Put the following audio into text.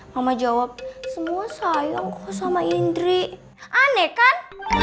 mama jawab semua sayang sama indri aneh kan